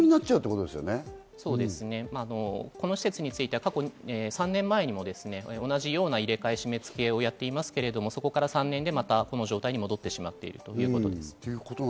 この施設については過去３年前にも同じような入れ替え、締め付けをやっていますけれど、そこから３年でこの状態に戻ってしまっています。